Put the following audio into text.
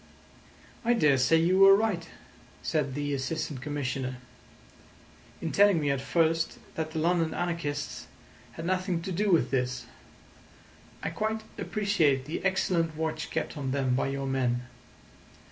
"I daresay you were right," said the Assistant Commissioner, "in telling me at first that the London anarchists had nothing to do with this. I quite appreciate the excellent watch kept on them by your men.